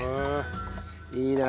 いいなあ。